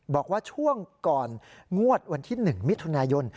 บอกว่าช่วงก่อนงวดวันที่๑มิถุนายน